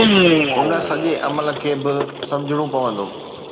ان سڄي عمل کي به سمجهڻو پوندو